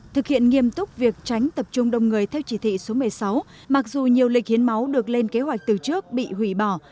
thực hiện nghiêm túc việc tránh tập trung đông người theo chỉ thị số một mươi sáu mặc dù nhiều lịch hiến máu được lên kế hoạch từ trước bị hủy bỏ